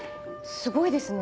すごいですね。